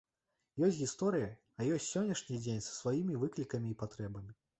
Ёсць гісторыя, а ёсць сённяшні дзень са сваімі выклікамі і патрэбамі.